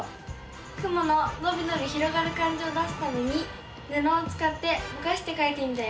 雲ののびのび広がる感じを出すためにぬのをつかってぼかしてかいてみたよ。